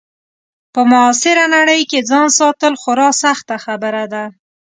په معاصره نړۍ کې ځان ساتل خورا سخته خبره ده.